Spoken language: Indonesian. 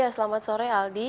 selamat sore aldi